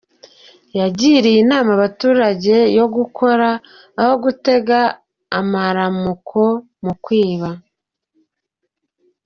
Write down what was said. Yagiriye inama abaturage gukora aho gutega amaramuko mu kwiba.